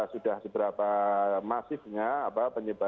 sudah seberapa masifnya